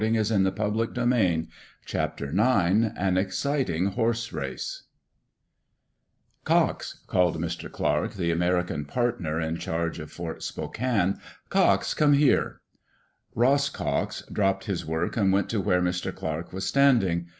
^, Digitized by VjOOQ IC CHAPTER IX AN EXCITING HORSE RACE /^0X,'* called Mr. Clarke, the American partner in V ^ charge of Fort Spokane, " Cox, come here." Ross Cox dropped his work and went to where Mr. Clarke was standing.